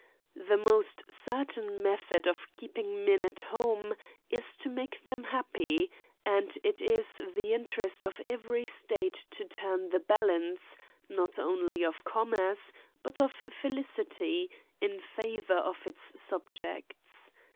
The m(3st certain method of keeping men at home is to make them happy ; and it is the interest of every stattr to turn the balance, not only pf commerce, but •>[ felii^ity, in favour of its subjects.